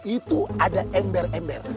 itu ada ember ember